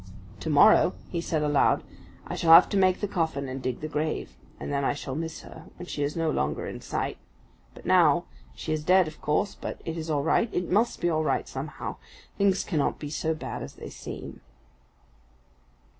"To morrow," he said aloud, "I shall have to make the coffin and dig the grave; and then I shall miss her, when she is no longer in sight; but now she is dead, of course, but it is all right it must be all right, somehow. Things cannot be so bad as they seem."